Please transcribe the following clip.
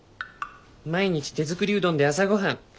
「毎日手づくりうどんで朝ごはん。